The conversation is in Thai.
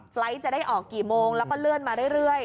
ไฟล์ทจะได้ออกกี่โมงแล้วก็เลื่อนมาเรื่อย